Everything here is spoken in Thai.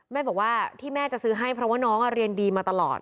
แม่บอกว่าที่แม่จะซื้อให้เพราะว่าน้องเรียนดีมาตลอด